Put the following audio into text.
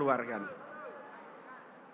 atau yang harus dikeluarkan